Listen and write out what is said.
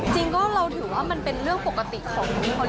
จริงก็เราถือว่ามันเป็นเรื่องปกติของเขาเรียกว่าอะไร